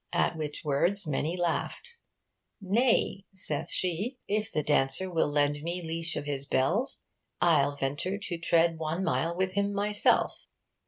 At which words many laughed. "Nay," saith she, "if the dauncer will lend me a leash of his belles, I'le venter to treade one myle with him myself."